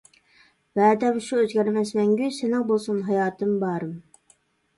ۋەدەم شۇ ئۆزگەرمەس مەڭگۈ، سېنىڭ بولسۇن ھاياتىم بارىم.